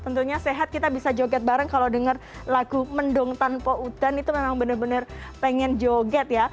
tentunya sehat kita bisa joget bareng kalau denger lagu mendong tanpa udan itu memang benar benar pengen joget ya